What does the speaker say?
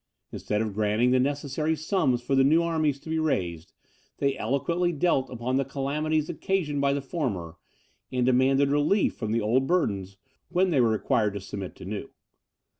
Instead of granting the necessary sums for the new armies to be raised, they eloquently dwelt upon the calamities occasioned by the former, and demanded relief from the old burdens, when they were required to submit to new.